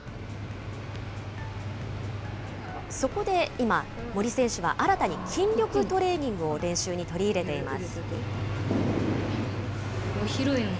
そこで今、森選手は新たに筋力トレーニングを練習に取り入れています。